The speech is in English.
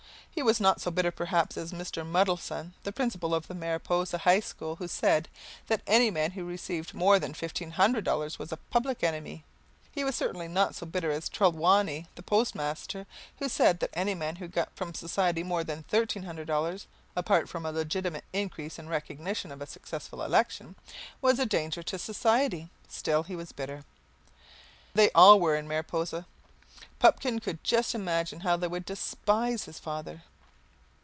He was not so bitter, perhaps, as Mr. Muddleson, the principal of the Mariposa high school, who said that any man who received more than fifteen hundred dollars was a public enemy. He was certainly not so bitter as Trelawney, the post master, who said that any man who got from society more than thirteen hundred dollars (apart from a legitimate increase in recognition of a successful election) was a danger to society. Still, he was bitter. They all were in Mariposa. Pupkin could just imagine how they would despise his father!